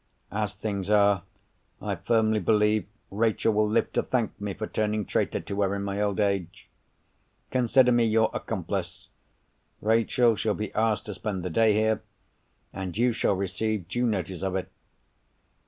As things are, I firmly believe Rachel will live to thank me for turning traitor to her in my old age. Consider me your accomplice. Rachel shall be asked to spend the day here; and you shall receive due notice of it."